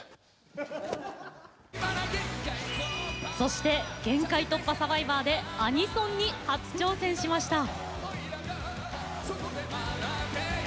そして「限界突破×サバイバー」でアニソンに初挑戦しました。